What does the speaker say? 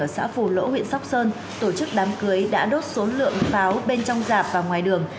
ở xã phù lỗ huyện sóc sơn tổ chức đám cưới đã đốt số lượng pháo bên trong giảp và ngoài đường